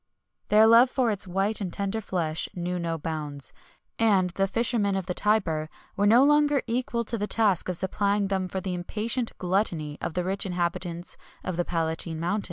[XXI 85] Their love for its white and tender flesh knew no bounds,[XXI 86] and the fishermen of the Tiber were no longer equal to the task of supplying them for the impatient gluttony of the rich inhabitants of the Palatine Mount.